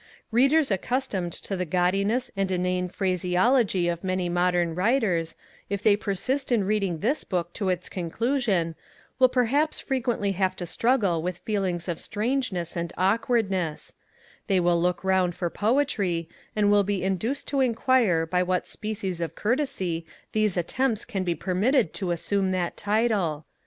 Readers accustomed to the gaudiness and inane phraseology of many modern writers, if they persist in reading this book to its conclusion, will perhaps frequently have to struggle with feelings of strangeness and awkwardness: they will look round for poetry, and will be induced to inquire by what species of courtesy these attempts can be permitted to assume that title.